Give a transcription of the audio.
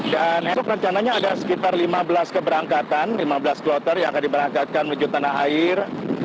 dan esok rencananya ada sekitar lima belas keberangkatan lima belas kloter yang akan diberangkatkan menuju tanah air